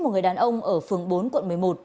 một người đàn ông ở phường bốn quận một mươi một